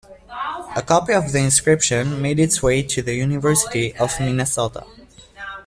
A copy of the inscription made its way to the University of Minnesota.